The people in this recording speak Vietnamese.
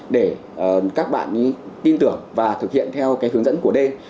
để các bạn ý tin tưởng và thực hiện theo hướng dẫn của d